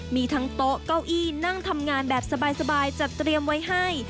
มีทั้งโต๊ะเก้าอี้นั่งทำงานแบบสบายจัดเตรียมไว้ให้